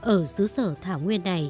ở dưới sông